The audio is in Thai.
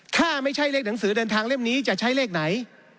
ถ้าไม่ใช่เลขหนังสือเดินทางเล่มนี้จะใช้เลขไหน